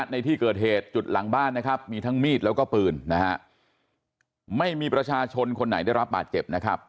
ในที่เกิดเหตุจุดหลังบ้านนะครับมีทั้งมีดแล้วก็ปืนนะฮะไม่มีประชาชนคนไหนได้รับบาดเจ็บนะครับ